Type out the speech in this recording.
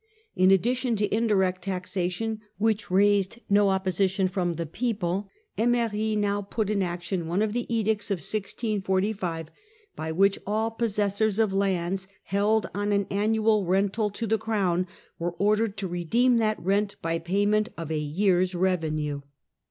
In addition to indirect taxation, which raised no opposition from the people, £mery now put in action one of the edicts of 1645 by which all possessors of lands held on an annual rent to the Crown were ordered to redeem that rent by payment of a year's revenue.